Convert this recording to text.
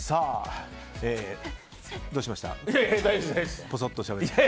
どうしました？